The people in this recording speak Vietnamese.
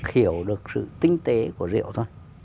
hiểu được sự tinh tế của rượu thôi